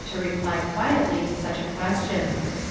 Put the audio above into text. to reply quietly to sucli a (question.